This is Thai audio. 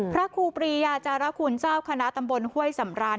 ครูปรียาจารคุณเจ้าคณะตำบลห้วยสำราน